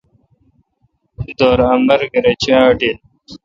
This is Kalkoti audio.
دِر املگر اے چے° اٹیل۔